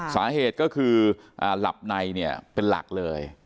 สาเหตุก็คือหลับในเนี่ยเป็นหลักเลย